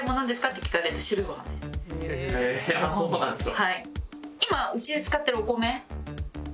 はい。